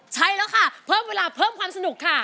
ใช้แล้วค่ะเพิ่มเวลาเพิ่มความสนุกค่ะ